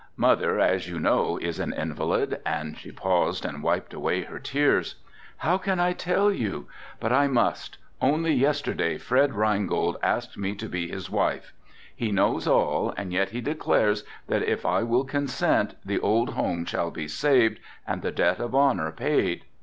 Mother, as you know, is an invalid, and, she paused and wiped away her tears. How can I tell you? but I must, only yesterday Fred Reingold asked me to be his wife. He knows all and yet he declares that if I will consent, the old home shall be saved and the debt of honor paid.